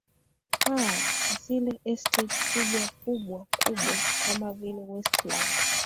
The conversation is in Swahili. aa zile estate kubwa kubwa kubwa kama vile westland